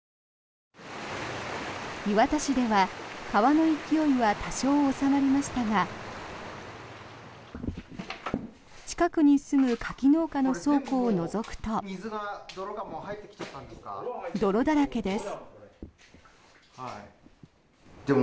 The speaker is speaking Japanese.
磐田市では川の勢いは多少収まりましたが近くに住む柿農家の倉庫をのぞくと泥だらけです。